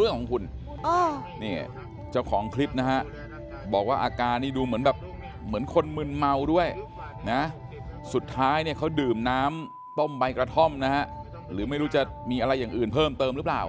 เรื่องของคุณนี่เจ้าของคลิปนะฮะบอกว่าอาการนี่ดูเหมือนแบบเหมือนคนมึนเมาด้วยนะสุดท้ายเนี่ยเขาดื่มน้ำต้มใบกระท่อมนะฮะหรือไม่รู้จะมีอะไรอย่างอื่นเพิ่มเติมหรือเปล่า